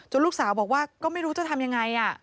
ลูกสาวบอกว่าก็ไม่รู้จะทำยังไง